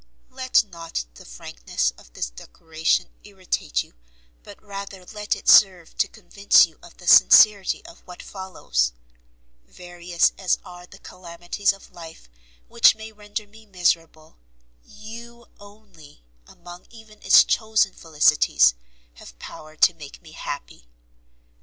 Let not the frankness of this declaration irritate you, but rather let it serve to convince you of the sincerity of what follows; various as are the calamities of life which may render me miserable, YOU only, among even its chosen felicities, have power to make me happy.